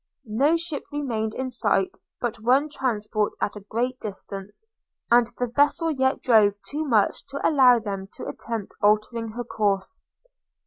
No ship remained in sight but one transport at a great distance, and the vessel yet drove too much to allow them to attempt altering her course.